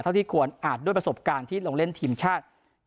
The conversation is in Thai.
ที่ควรอาจด้วยประสบการณ์ที่ลงเล่นทีมชาติ